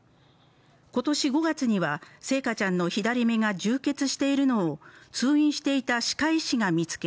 今年５月には星華ちゃんの左目が充血しているのを通院していた歯科医師が見つけ